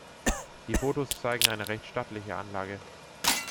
Die Fotos zeigen eine recht stattliche Anlage.